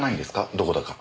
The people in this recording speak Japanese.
どこだか。